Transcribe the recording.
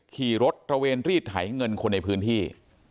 ขี่รถตระเวนรีดไถเงินคนในพื้นที่